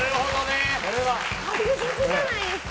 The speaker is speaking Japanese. これは確実じゃないですか。